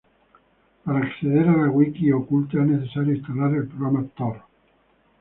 Para acceder a La Wiki Oculta es necesario instalar el programa Tor.